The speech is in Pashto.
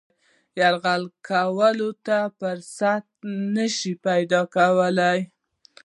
یرغل کولو ته فرصت نه شي پیدا کولای.